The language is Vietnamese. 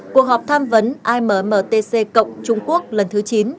cuộc họp tham vấn ammtc cộng trung quốc lần thứ chín